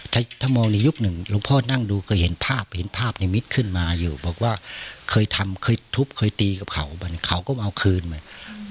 ถ้ามองในยุคนึงลุงพ่อนั่งดูก็เห็นภาพในมิตขึ้นมาอยู่บอกว่าเคยทำเคยทุบเคยตีกับเขามาเขาก็มาเอาคืนก็คืนมาเนี่ย